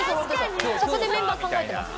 そこでメンバー考えてます。